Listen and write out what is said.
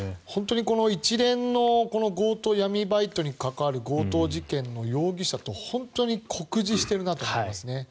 この一連の闇バイトに関わる強盗事件の容疑者と本当に酷似しているなと思います。